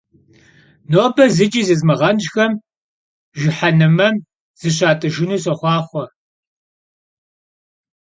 Nobe zıç'i zızmığenş'xem jjıhenmem zışat'ıjjınu soxhuaxhue!